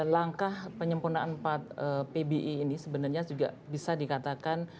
langkah penyempurnaan empat pbi ini sebenarnya juga bisa dikatakan